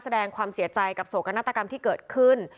แสดงความเสียใจกับโศกนาฏกรรมที่เกิดขึ้น